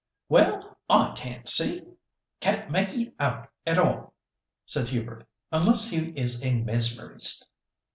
"Well I can't see—can't make it out at all," said Hubert, "unless he is a mesmerist."